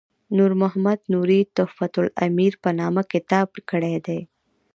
نور محمد نوري تحفة الامیر په نامه کتاب کړی دی.